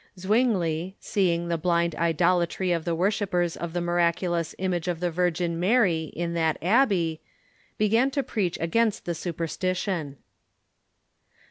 Zwingli, see ing the blind idolatry of the worshippers of the miraculous image of the Virgin Mary in that abbey, began to preach against the superstition.